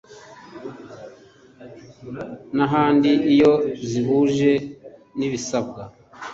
N ahandi iyo zihuje n ibisabwa